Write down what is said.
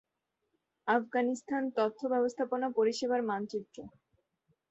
আফগানিস্তান তথ্য ব্যবস্থাপনা পরিষেবার মানচিত্র